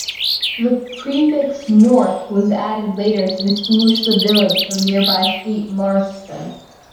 The prefix 'North' was added later to distinguish the village from nearby Fleet Marston.